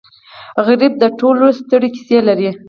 غریب د ټولو ستړې کیسې لري